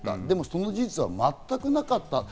でもその事実は全くなかった。